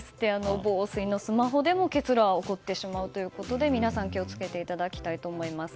防水のスマホでも結露は起こってしまうということで皆さん気を付けていただきたいと思います。